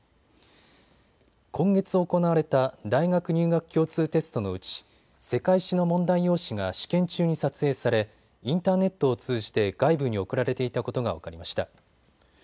今月行われた大学入学共通テストのうち世界史の問題用紙が試験中に撮影されインターネットを通じて外部に送られていたことが分かりました。